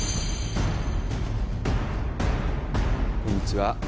こんにちは。